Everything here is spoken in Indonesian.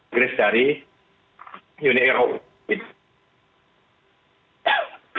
inggris dari uni eropa